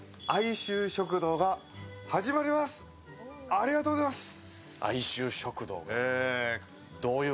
ありがとうございます。